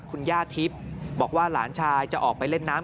คุณย่าทิพย์บอกว่าหลานชายจะออกไปเล่นน้ำ